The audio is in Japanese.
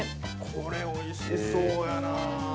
◆これ、おいしそうやな。